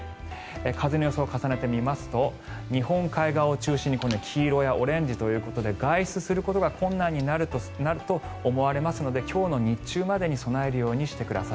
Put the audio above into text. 風の予想を重ねてみますと日本海側を中心に黄色やオレンジということで外出することが困難になると思われますので今日の日中までに備えるようにしてください。